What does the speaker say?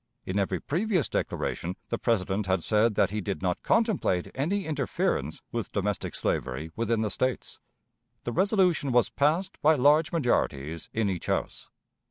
In every previous declaration the President had said that he did not contemplate any interference with domestic slavery within the States. The resolution was passed by large majorities in each House.